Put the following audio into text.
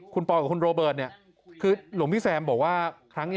คุณปอยกับคุณโรเบิร์ตคือหลวงพี่แซมบอกว่าครั้งนี้